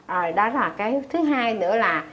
rồi đó là cái thứ hai nữa là